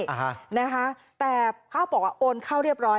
พวกเขาบอกว่าโอนเข้าเรียบร้อย